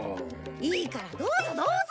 いいからどうぞどうぞ！